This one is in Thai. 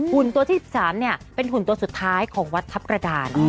หุ่นตัวที่๑๓เป็นหุ่นตัวสุดท้ายของวัดทัพกระดาน